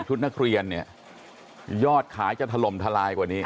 ที่จำได้